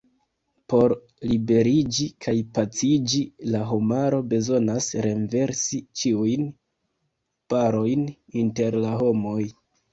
Por liberiĝi kaj paciĝi la homaro bezonas renversi ĉiujn barojn inter la homoj.